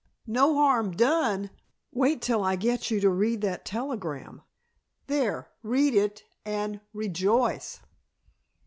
"No harm done! Wait till I get you to read that telegram. There, read it and rejoice!"